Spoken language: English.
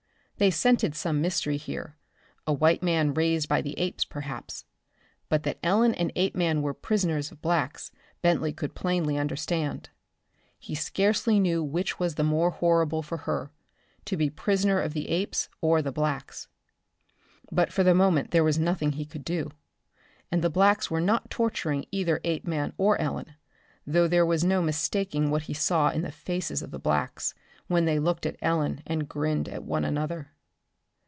They scented some mystery here, a white man raised by the apes, perhaps. But that Ellen and Apeman were prisoners of blacks, Bentley could plainly understand. He scarcely knew which was the more horrible for her to be prisoner of the apes or the blacks. But for the moment there was nothing he could do. And the blacks were not torturing either Apeman or Ellen, though there was no mistaking what he saw in the faces of the blacks when they looked at Ellen and grinned at one another.